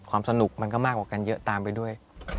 สนุกมันก็มากกว่ากันเยอะตามไปด้วย